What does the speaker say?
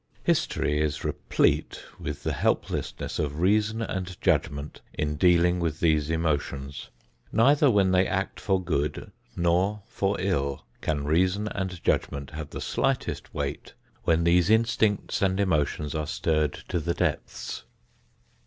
History is replete with the helplessness of reason and judgment in dealing with these emotions. Neither when they act for good nor for ill can reason and judgment have the slightest weight when these instincts and emotions are stirred to the depths.